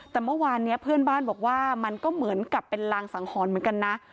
แต่เมื่อวานนี้เพื่อนบ้านบอกว่ามันก็เหมือนกับเป็นรางสังหรณ์เหมือนกันนะ